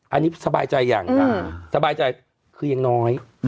อันนี้สบายใจอย่างสบายใจคือยังน้อย